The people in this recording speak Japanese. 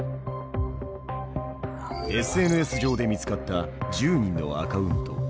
ＳＮＳ上で見つかった１０人のアカウント。